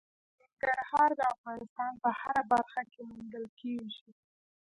ننګرهار د افغانستان په هره برخه کې موندل کېږي.